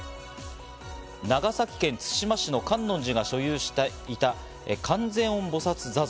長崎県対馬市の観音寺が所有していた、観世音菩薩坐像。